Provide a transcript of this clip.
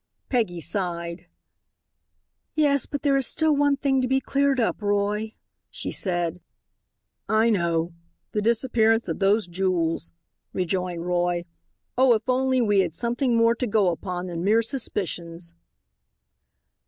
Peggy sighed. "Yes, but there is still one thing to be cleared up, Roy," she said. "I know the disappearance of those jewels," rejoined Roy. "Oh, if only we had something more to go upon than mere suspicions."